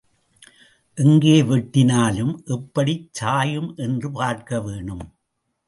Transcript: எங்கே வெட்டினாலும் எப்படிச் சாயும் என்று பார்க்க வேணும்.